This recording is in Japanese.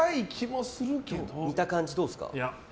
見た感じどうですか？